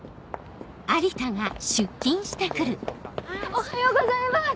おはようございます！